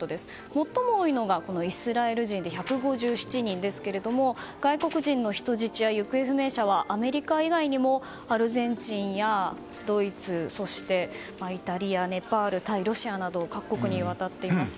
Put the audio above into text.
最も多いのがイスラエル人で１５７人ですが外国人の人質や行方不明者はアメリカ以外にもアルゼンチンやドイツそしてイタリア、ネパールタイ、ロシアなど各国にわたっています。